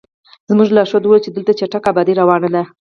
زموږ لارښود وویل چې دلته چټکه ابادي روانه ده.